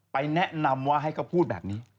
แนะนำว่าให้เขาพูดแบบนี้